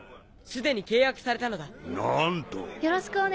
すでに契約されたのだ。